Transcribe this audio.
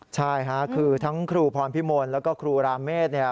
ใช่ค่ะคือทั้งครูพรพิมลแล้วก็ครูราเมฆเนี่ย